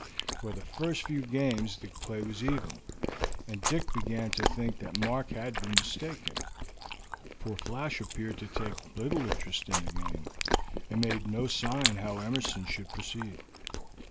For the first few games the play was even, and Dick began to think that Mark had been mistaken, for Flash appeared to take little interest in the game, and made no sign how Emerson should proceed.